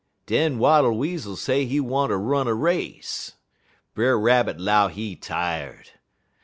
"Den Wattle Weasel say he want er run a race. Brer Rabbit 'low he tired.